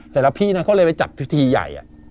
แล้วพี่น่ะเค้าเลยไปจัดพิธีใหญ่